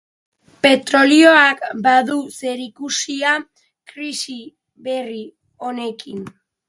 Petrolioak badu zerikusia krisi berri honekin.